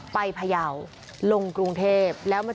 เมื่อวานแบงค์อยู่ไหนเมื่อวาน